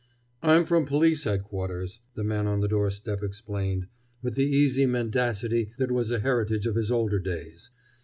"I'm from Police Headquarters," the man on the doorstep explained, with the easy mendacity that was a heritage of his older days.